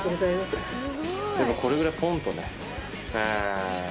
これぐらいぽんとね。